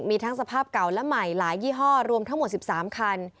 มีทั้งสภาพเก่าและใหม่หลายยี่ห้อรวมทั้งหมด๑๓คัน